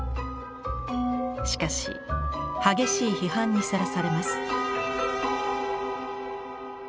しかし激しい批判にさらされます。